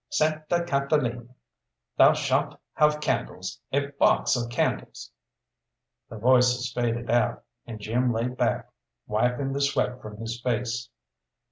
Santa Catalina, thou shalt have candles, a box of candles!" The voices faded out, and Jim lay back, wiping the sweat from his face.